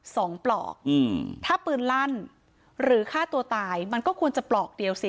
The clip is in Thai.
ปลอกอืมถ้าปืนลั่นหรือฆ่าตัวตายมันก็ควรจะปลอกเดียวสิ